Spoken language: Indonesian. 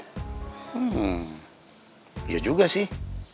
hmm ya juga sih